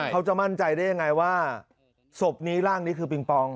เขาจะมั่นใจได้ยังไงว่าศพนี้ร่างนี้คือปิงปอง